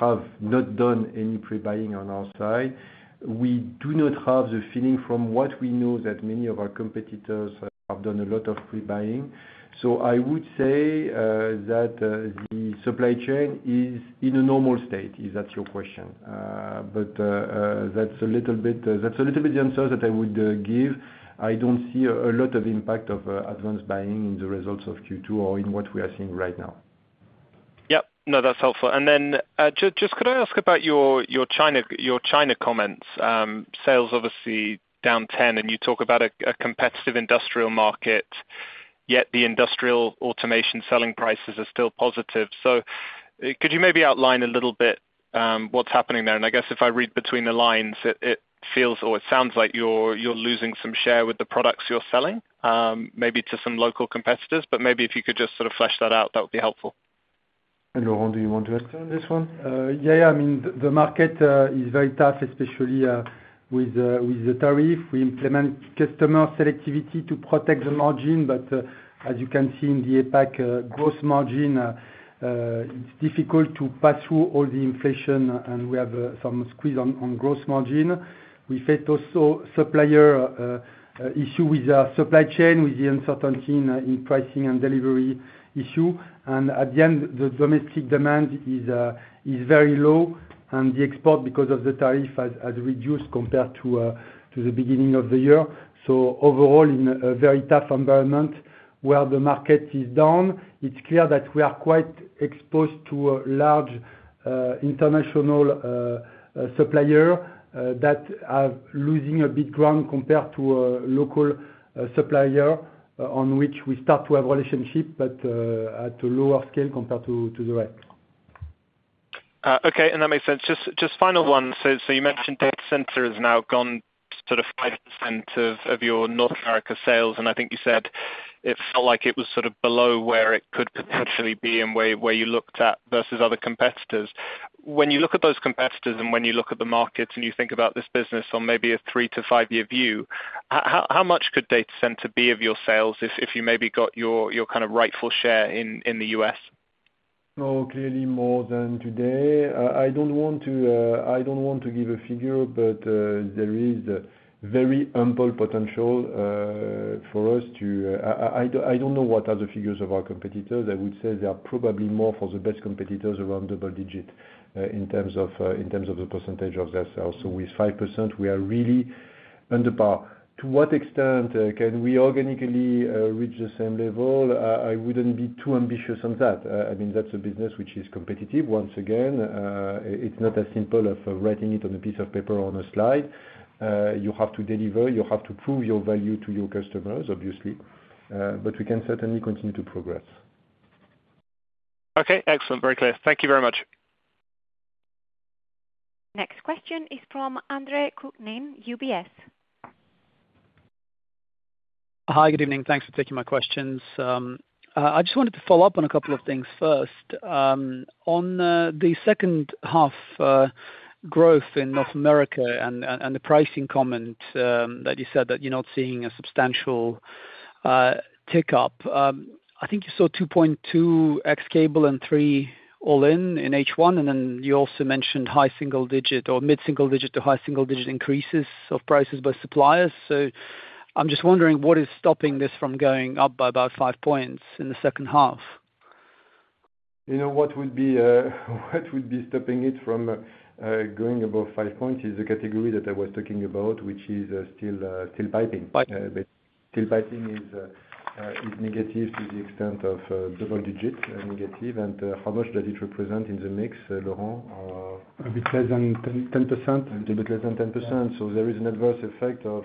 have not done any pre buying on our side. We do not have the feeling from what we know that many of our competitors have done a lot of pre buying. I would say that the supply chain is in a normal state if that's your question. That's a little bit the answer that I would give. I don't see a lot of impact of advanced buying in the results of Q2 or in what we are seeing right now. Yes, no, that's helpful. Could I ask about your China comments? Sales obviously down 10% and you talk about a competitive industrial market, yet the industrial automation selling prices are still positive. Could you maybe outline a little bit what's happening there? I guess if I read between the lines it feels or it sounds like you're losing some share with the products you're selling maybe to some local competitors, but maybe if you could just sort of flesh that out that would be helpful. Laurent, do you want to extend this one? Yeah, I mean the market is very tough, especially with the tariff. We implement customer selectivity to protect the margin, but as you can see in the APAC gross margin, it's difficult to pass through all the inflation and we have some on gross margin. We faced also supplier issue with supply chain with the uncertainty in pricing and delivery issue. At the end, the domestic demand is very low and the export because of the tariff has reduced compared to the beginning of the year. Overall, in a very tough environment where the market is down, it's clear that we are quite exposed to large international supplier that are losing a bit ground compared to a local supplier on which we start to have relationship but at a lower scale compared to the rest. Okay, that makes sense. Just final one. You mentioned datacenters have now gone sort of 5% of your North America sales, and I think you said it felt like it was sort of below where it could potentially be and where you looked at versus other competitors. When you look at those competitors and when you look at the markets and you think about this business on maybe a three to five year view, how much could data centers be of your sales if you maybe got your kind of rightful share in the U.S. clearly more than today. I don't want to give a figure, but there is very ample potential for us to. I don't know what are the figures of our competitors? I would say they are probably more, for the best competitors, around double digit in terms of the % of their sales. With 5%, we are really under par. To what extent can we organically reach the same level? I wouldn't be too ambitious on that. I mean, that's a business which is competitive. Once again, it's not as simple as writing it on a piece of paper or on a slide. You have to deliver, you have to prove your value to your customers, obviously. We can certainly continue to progress. Okay, excellent. Very clear. Thank you very much. Next question is from Andre Kukhnin, UBS. Hi, good evening. Thanks for taking my questions. I just wanted to follow up on a couple of things. First, on the second half growth in North America and the pricing comment that you said that you're not seeing a substantial tick up. I think you saw 2.2% cable and 3% all in in H1. You also mentioned mid single digit to high single digit increases of prices by suppliers. I'm just wondering what is stopping this from going up by about five points in the second half? You know, what would be stopping it from going above 5 points is the category that I was talking about, which is still piping is negative to the extent of double-digit negative. How much does it represent in the mix, Laurent? A bit less than 10%. A little bit less than 10%. There is an adverse effect of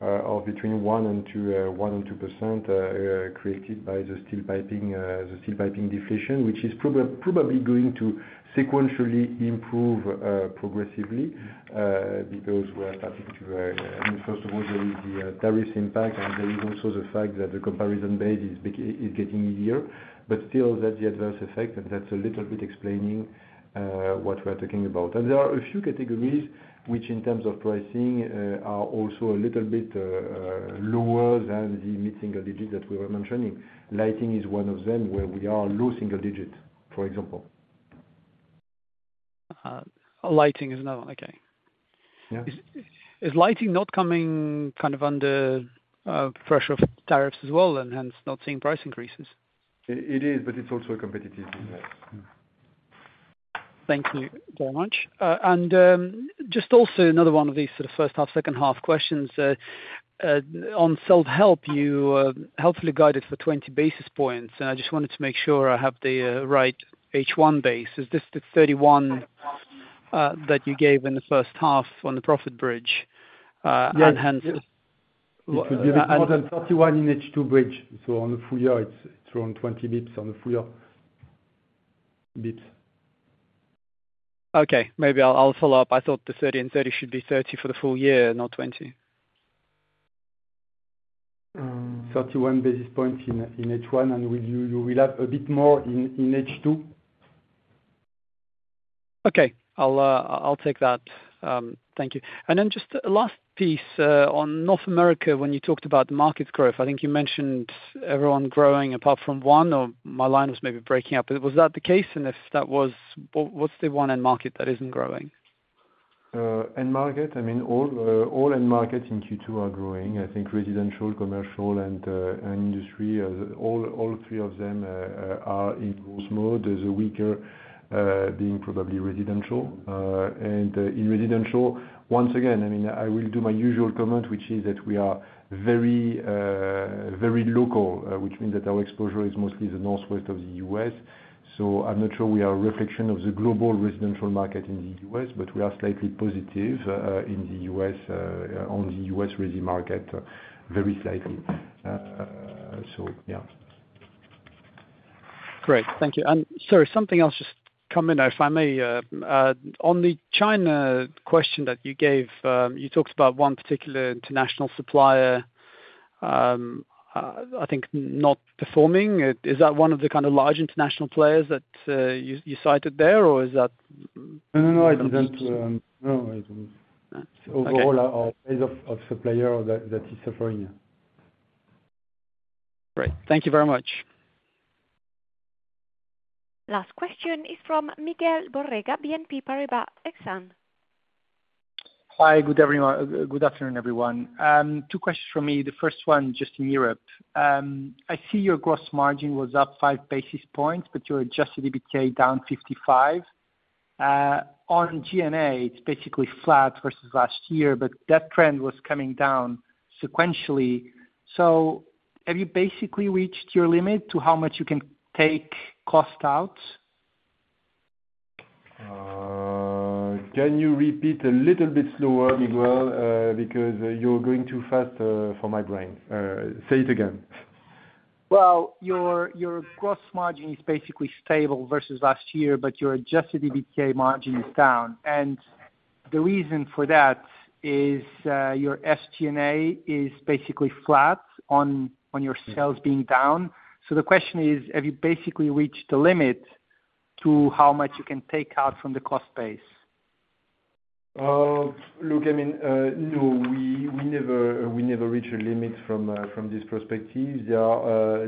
between 1% and 2% created by the steel piping. The steel piping deflation, which is probably going to sequentially improve progressively because we are starting to. First of all, there is the tariff impact, and there is also the fact that the comparison base is getting easier. That's the adverse effect. That's a little bit explaining what we're talking about. There are a few categories which in terms of pricing are also a little bit lower than the mid single digit that we were mentioning. Lighting is one of them, where we are low single digit, for example. Lighting is another one. Okay, is lighting not coming kind of under pressure of tariffs as well, and hence not seeing price increases? It is, but it's also competitive. Thank you very much. Just also another one of these sort of first half, second half questions on self help. You helpfully guided for 20 basis points, and I just wanted to make sure I have the right H1 base. Is this the 31 that you gave in the first half on the profit? Bridge. It will be a bit more than 31 in H2 bridge. On the full year it's around 20 basis points. On the full year basis points. Okay, maybe I'll follow up. I thought the 30 and 30 should be 30 for the full year, not. basis points in H1, and you will have a bit more in H2. Okay, I'll take that, thank you. Just last piece on North America, when you talked about market growth, I think you mentioned everyone growing apart from one or my line was maybe breaking up. Was that the case? If that was, what's the one end market that isn't growing? End market. I mean, all end markets in Q2 are growing, I think residential, commercial, and industrial. All three of them are in growth mode, the weaker being probably residential. In residential, once again, I mean, I will do my usual comment, which is that we are very, very local, which means that our exposure is mostly the northwest of the U.S. I'm not sure we are a reflection of the global residential market in the U.S., but we are slightly positive in the U.S. on the U.S. Ready market. Very slightly. Yeah. Great, thank you. Sorry, something else just come in if I may. On the China question that you gave, you talked about one particular international supplier, I think not performing. Is that one of the kind of large international players that you cited there or is that? No, I didn't. No overall supplier that is suffering. Great, thank you very much. Last question is from Miguel Borrega, BNP Paribas Exane. Hi, good afternoon everyone. Two questions for me. The first one just in Europe. See your gross margin was up 5%. Basis points, but your adjusted EBITDA down 55. On G&A, it's basically flat versus last. Year, that trend was coming down sequentially. Have you basically reached your limit to how much you can take cost out? Can you repeat a little bit slower, Miguel, because you're going too fast for my brain. Say it again. Your gross margin is basically stable versus last year, but your adjusted. EBITDA margin is down. The reason for that is your. SG&A is basically flat on your sales being down. Have you basically reached the limit to how much you can take out from the cost base? Look, I mean, no, we never reach a limit from this perspective. There are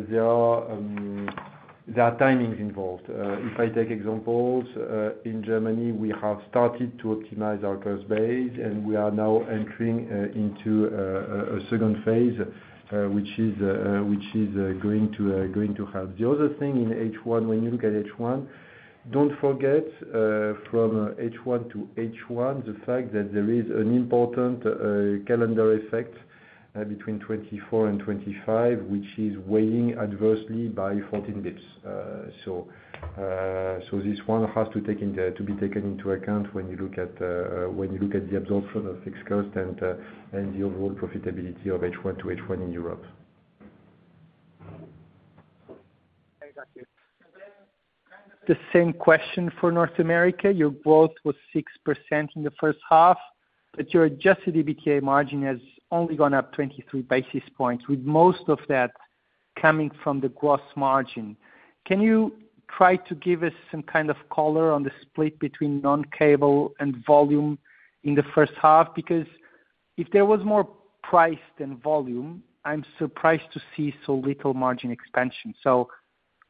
timings involved. If I take examples, in Germany, we have started to optimize our cost base and we are now entering into a second phase which is going to help the other thing in H1. When you look at H1, don't forget from H1 to H1 the fact that there is an important calendar effect between 2024 and 2025 which is weighing adversely by 14 basis points. This one has to be taken into account when you look at the absorption of fixed cost and the overall profitability of H1 to H1 in Europe. The same question for North America. Your growth was 6% in the first half, but your adjusted EBITDA margin has only gone up 23 basis points, with most of that coming from the gross margin. Can you try to give us some. Kind of color on the split between non-cable and volume in the first half? Because if there was more price than. Volume, I'm surprised to see so little margin expansion.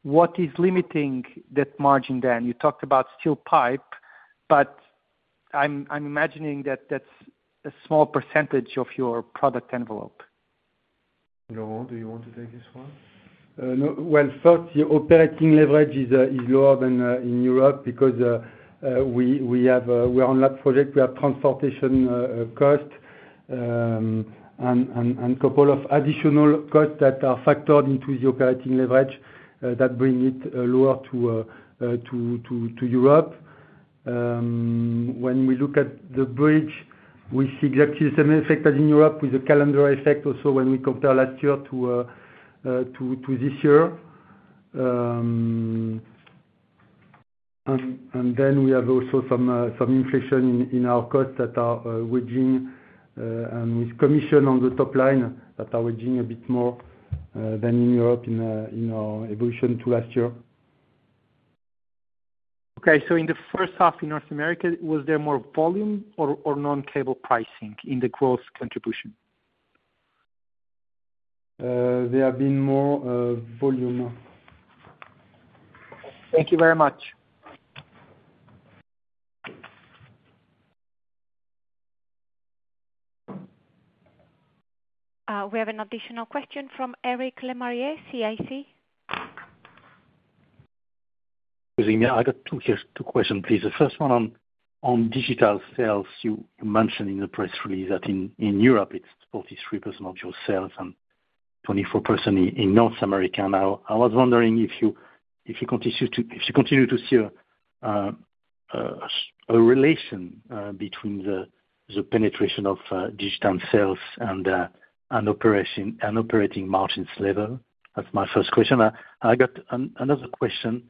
What is limiting that margin then? You talked about steel pipe, but I'm imagining that that's a small percentage of your product envelope. Laurent, do you want to take this one? First, the operating leverage is lower than in Europe because we have on that project we have transportation cost. And. Couple of additional costs that are factored into the operating leverage that bring it lower to Europe. When we look at the bridge, we see exactly the same effect as in Europe with a calendar effect. Also, when we compare last year to. This year. We have also some inflation in our costs that are waging with commission on the top line, that are waging a bit more than in Europe in our evolution to last year. In the first half in North America, was there more volume or non cable pricing in the growth contribution? There have been more volume. Thank you very much. We have an additional question from Eric Lemarié, CIC. I got two questions, please. The first one on digital sales. You mentioned in the press release that in Europe it's 43% of your sales and 24% in North America. Now I was wondering if you continue to see a relation between the penetration of digital sales and an operating margins level. That's my first question. I got another question.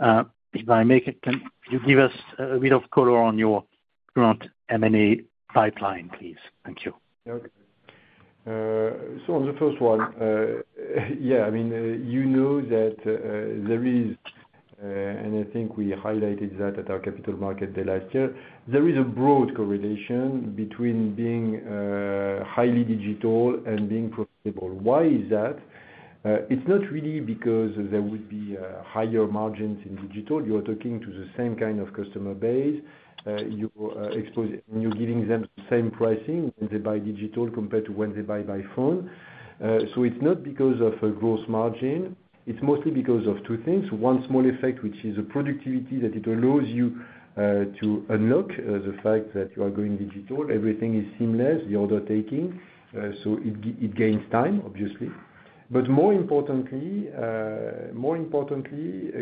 If I make it, can you give? Us a bit of color on your current M&A pipeline, please? Thank you. On the first one, yeah, I mean you know that there is, and I think we highlighted that at our capital market day last year, there is a broad correlation between being highly digital and being profitable. Why is that? It's not really because there would be higher margins in digital. You are talking to the same kind of customer base. You're giving them the same pricing when they buy digital compared to when they buy by phone. It's not because of a gross margin. It's mostly because of two things. One small effect, which is a productivity that it allows you to unlock, the fact that you are going digital. Everything is seamless, the order taking, so it gains time obviously. More importantly,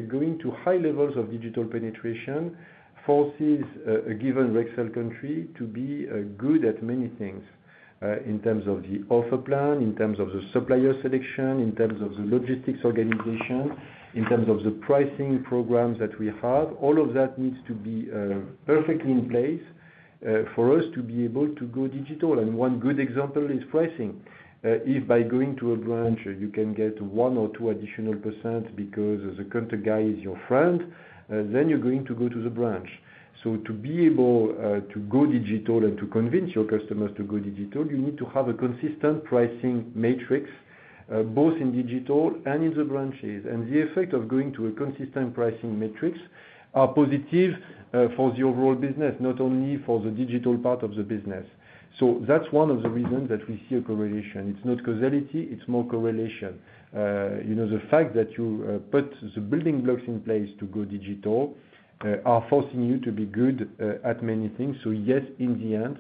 going to high levels of digital penetration forces a given Rexel country to be good at many things in terms of the offer plan, in terms of the supplier selection, in terms of the logistics organization, in terms of the pricing programs that we have. All of that needs to be perfectly in place for us to be able to go digital. One good example is pricing. If by going to a branch you can get 1% or 2% additional % because the counter guy is your friend, then you're going to go to the branch. To be able to go digital and to convince your customers to go digital, you need to have a consistent pricing matrix, both in digital and in the branches. The effect of going to a consistent pricing matrix is positive for the overall business, not only for the digital part of the business. That's one of the reasons that we see a correlation. It's not causality, it's more correlation. The fact that you put the building blocks in place to go digital are forcing you to be good at many things. Yes, in the end,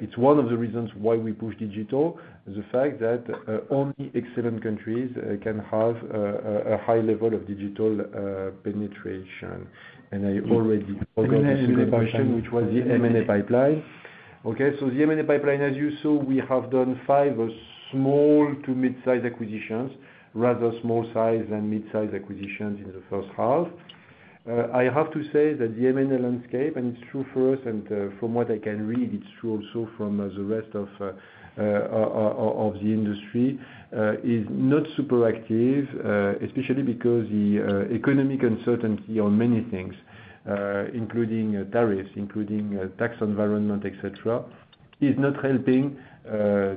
it's one of the reasons why we push digital. The fact that only excellent countries can have a high level of digital penetration. I already forgot which was the M&A pipeline. Okay, so the M&A pipeline, as you saw, we have done five small to mid-size acquisitions, rather small size and mid-size acquisitions in the first half. I have to say that the M&A landscape, and it's true for us, and from what I can read, it's true also from the rest of the industry, is not super active. Especially because the economic uncertainty on many things, including tariffs, including tax environment, etc., is not helping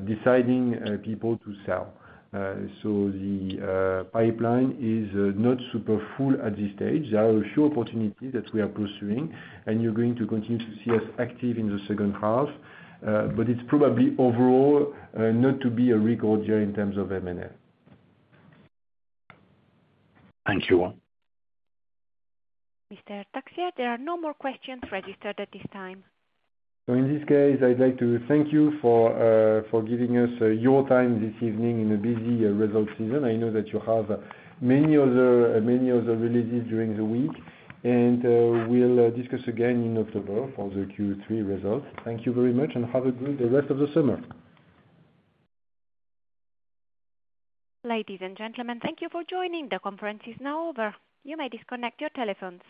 deciding people to sell. The pipeline is not super full at this stage. There are short opportunities that we are pursuing and you're going to continue to see us active in the second half. It's probably overall not to be a record year in terms of M&A. Thank you all. Mr. Texier, there are no more questions registered at this time. In this case, I'd like to thank you for giving us your time this evening in a busy result season. I know that you have many other releases during the week, and we'll discuss again in October for the Q3 results. Thank you very much and have a good rest of the summer. Ladies and gentlemen, thank you for joining. The conference is now over. You may disconnect your telephones.